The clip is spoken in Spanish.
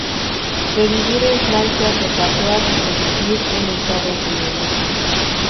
De vivir en Francia se pasó a sobrevivir en Estados Unidos.